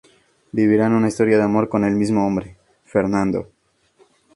Vivirán una historia de amor con el mismo hombre, Fernando.